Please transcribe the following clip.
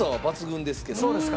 そうですか？